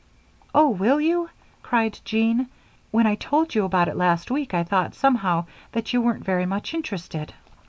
"Oh, will you?" cried Jean. "When I told you about it last week I thought, somehow, that you weren't very much interested."